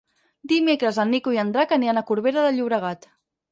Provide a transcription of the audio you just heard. Dimecres en Nico i en Drac aniran a Corbera de Llobregat.